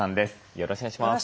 よろしくお願いします。